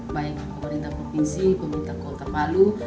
baik pemerintah provinsi pemerintah kota palu